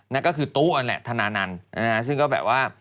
นั่นก็คือตู้นั่นแหละธนานันต์ซึ่งก็แบบว่า